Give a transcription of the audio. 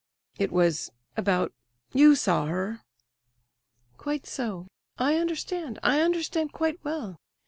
"It was—about—you saw her—" "Quite so; I understand. I understand quite well.